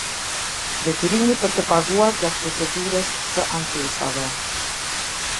Detyrimi për të paguar gjatë procedurës së ankesave.